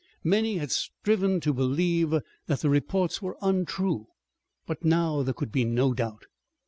Many had striven to believe that the reports were untrue, but now there could be no doubt.